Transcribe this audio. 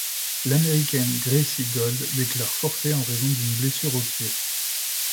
L'américaine Gracie Gold déclare forfait en raison d'une blessure au pied.